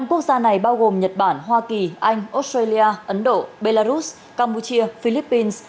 một mươi năm quốc gia này bao gồm nhật bản hoa kỳ anh australia ấn độ belarus cambodia philippines